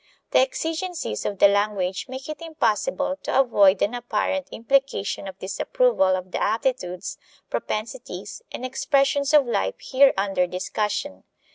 The exigencies of the language make it impossible to avoid an apparent implication of disapproval of the aptitudes, propensities, and expressions of life here under discussion.